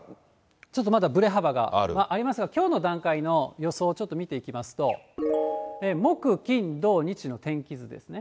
ちょっとまだぶれ幅がありますが、きょうの段階の予想をちょっと見ていきますと、木、金、土、日の天気図ですね。